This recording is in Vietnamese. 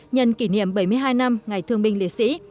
nhân kỷ niệm bảy mươi hai năm ngày thương binh liệt sĩ